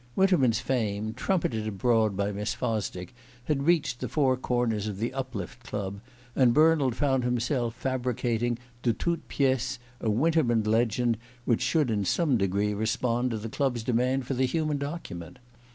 Winterman's fame, trumpeted abroad by Miss Fosdick, had reached the four corners of the Uplift Club, and Bernald found himself fabricating de toutes pieces a Winterman legend which should in some degree respond to the Club's demand for the human document.